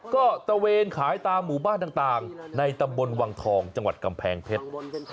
ก็ตะเวนขายตามหมู่บ้านต่างในตำบลวังทองจังหวัดกำแพงเพชร